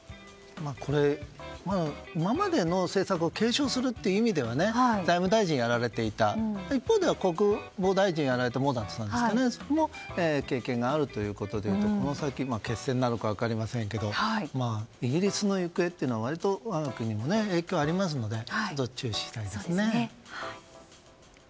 今までの政策を継承するという意味では財務大臣をやられていた一方では国防大臣をやられていたモーダントさんも経験があるということで言うとこの先は決戦になるかどうか分かりませんけどもイギリスの行方は我が国にも影響がありますので注視したいですね。